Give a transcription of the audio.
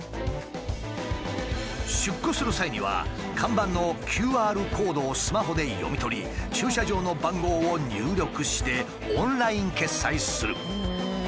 出庫する際には看板のＱＲコードをスマホで読み取り駐車場の番号を入力してオンライン決済する。